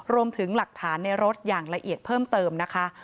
รวมถึงหลักฐานในรถอย่างละเอียดเพิ่มเติมนะคะ